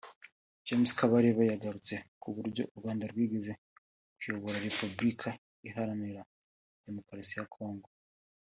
James Kabarebe yagarutse ku buryo u Rwanda rwigeze kuyobora Repubulika Iharanira Demokarasi ya Congo